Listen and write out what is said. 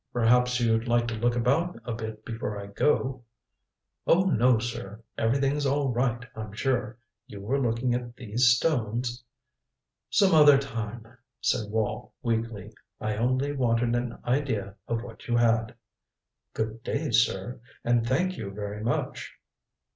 "Perhaps you'd like to look about a bit before I go " "Oh, no, sir. Everything's all right, I'm sure. You were looking at these stones " "Some other time," said Wall weakly. "I only wanted an idea of what you had." "Good day, sir. And thank you very much."